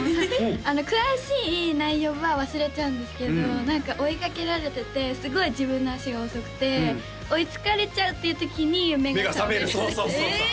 詳しい内容は忘れちゃうんですけど何か追いかけられててすごい自分の足が遅くて追いつかれちゃうっていうときに夢が覚めるそうそうそうそう！